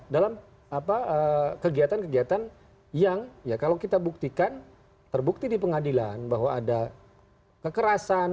dalam kegiatan kegiatan yang ya kalau kita buktikan terbukti di pengadilan bahwa ada kekerasan